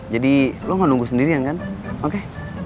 jadi lo ga nunggu sendirian kan oke